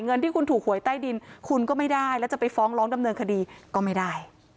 เงินที่คุณถูกหวยใต้ดินคุณก็ไม่ได้แล้วจะไปฟ้องร้องดำเนินคดีก็ไม่ได้